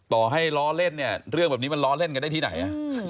ต่อให้ล้อเล่นเนี่ยเรื่องแบบนี้มันล้อเล่นกันได้ที่ไหน